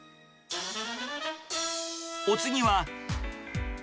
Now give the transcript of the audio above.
お次は。